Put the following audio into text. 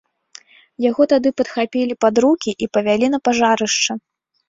Яго тады падхапілі пад рукі і павялі на пажарышча.